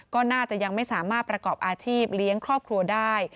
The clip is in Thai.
ก็น่าจะยังไม่สามารถประกอบอาชีพเลี้ยงครอบครัวได้